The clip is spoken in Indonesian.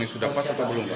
sudah pas atau belum